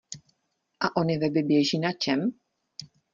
A ony weby běží na čem?